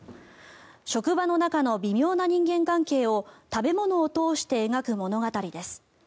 職場の中の微妙な人間関係を食べ物を通して描く物語です。